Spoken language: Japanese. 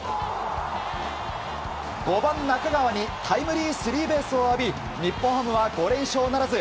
５番、中川にタイムリースリーベースを浴び日本ハムは５連勝ならず。